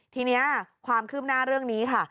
ทีนี้ความคืบหน้าเรื่องนี้ค่ะ